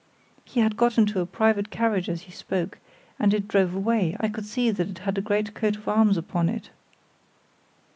"He had got into a private carriage as he spoke, and it drove away; I could see that it had a great coat of arms upon it."